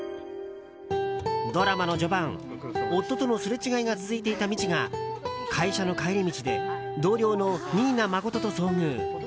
ドラマの序盤、夫とのすれ違いが続いていたみちが会社の帰り道で同僚の新名誠と遭遇。